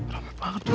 ramai banget tuh